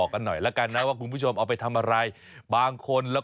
มันไม่อิ่มดิฉันทำแล้ว